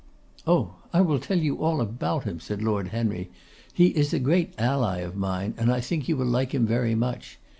'Oh! I will tell you all about him,' said Lord Henry. 'He is a great ally of mine, and I think you will like him very much.